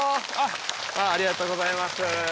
ありがとうございます。